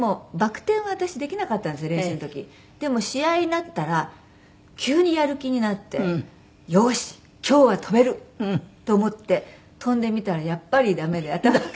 でも試合になったら急にやる気になってよし今日は跳べると思って跳んでみたらやっぱり駄目で頭から落ちた。